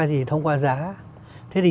gì thì thông qua giá thế thì